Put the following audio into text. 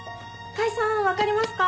甲斐さんわかりますか？